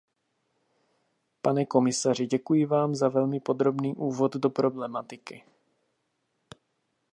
Pane komisaři, děkuji vám za velmi podrobný úvod do problematiky.